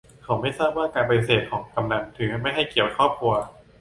เขาไม่ทราบว่าการปฏิเสธของกำนัล ถือไม่ให้เกียรติครอบครัว